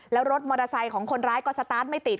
แล้วรถมอเตอร์ไซค์ของคนร้ายก็สตาร์ทไม่ติด